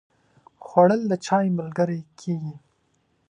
خوړل د چای ملګری کېږي